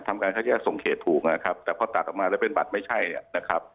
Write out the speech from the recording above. ทำการขั้นลั่ดส่วนเขตถูกค่ะครับแต่พอตัดออกมาแล้วเป็นบัตรไม่ใช่นะครับ